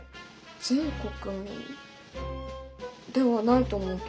全国民ではないと思うけど。